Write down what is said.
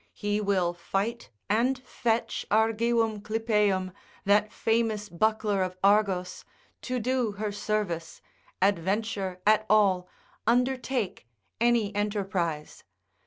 He will fight and fetch, Argivum Clypeum, that famous buckler of Argos, to do her service, adventure at all, undertake any enterprise.